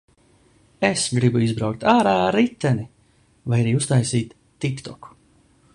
Es gribu izbraukt ārā ar riteni. Vai arī uztaisīt tiktoku.